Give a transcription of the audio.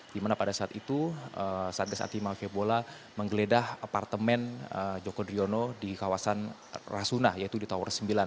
di mana pada saat itu satgas anti mafia bola menggeledah apartemen joko driono di kawasan rasuna yaitu di tower sembilan